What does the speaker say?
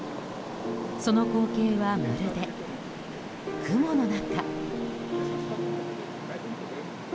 その光景は、まるで雲の中。